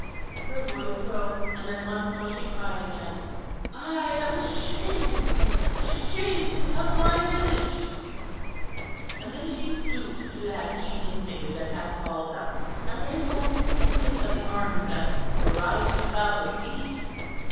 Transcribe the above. Her voice broke, and then once more she cried again. "I am ashamed, ashamed of my village." And then she stooped to that heaving figure that had crawled up, and laid hold tenderly of the arms that were writhed about her feet.